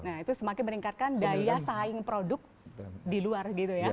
nah itu semakin meningkatkan daya saing produk di luar